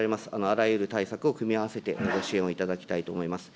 あらゆる対策を組み合わせてご支援を頂きたいと思います。